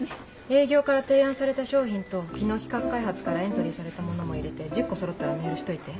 営業から提案された商品と昨日企画開発からエントリーされたものも入れて１０個そろったらメールしといて。